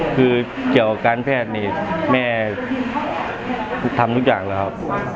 คือเกี่ยวกับการแพทย์นี่แม่ทำทุกอย่างแล้ว